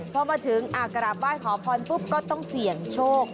พอมาถึงกราบไหว้ขอพรปุ๊บก็ต้องเสี่ยงโชค